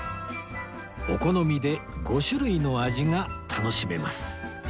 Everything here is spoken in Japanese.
お好みで５種類の味が楽しめます